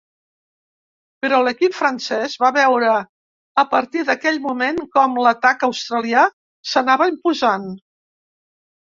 Però l'equip francés va veure a partir d'aquell moment com l'atac australià s'anava imposant.